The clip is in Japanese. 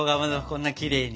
こんなきれいに。